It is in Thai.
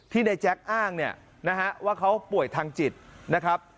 ในแจ๊คอ้างเนี่ยนะฮะว่าเขาป่วยทางจิตนะครับ